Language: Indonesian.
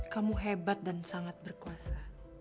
kamu hebat dan sangat berkuasa